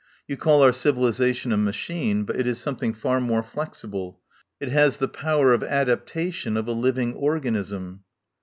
You call our civilisation a machine, but it is something far more flexible. It has the power of adaptation of a living organism."